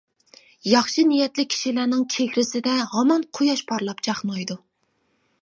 ياخشى نىيەتلىك كىشىلەرنىڭ چېھرىسىدە ھامان قۇياش پارلاپ چاقنايدۇ.